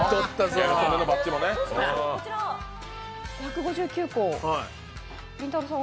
こちら、１５９個、りんたろーさん